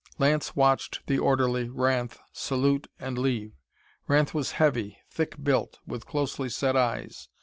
Lance watched the orderly, Ranth, salute and leave. Ranth was heavy, thick built, with closely set eyes.